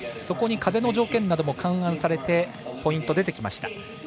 そこに風の条件なども勘案されてポイント出てきました。